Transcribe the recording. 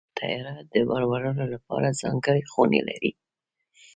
طیاره د بار وړلو لپاره ځانګړې خونې لري.